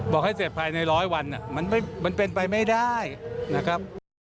บอกให้เสร็จภายในร้อยวันมันเป็นไปไม่ได้นะครับ